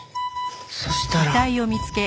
そしたら。